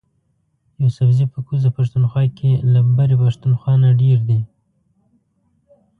یوسفزي په کوزه پښتونخوا کی له برۍ پښتونخوا نه ډیر دي